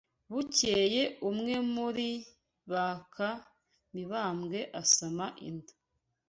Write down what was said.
Bukeye umwe muri baka Mibambwe asama inda